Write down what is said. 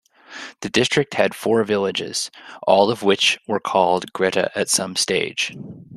The district had four villages, all of which were called Greta at some stage.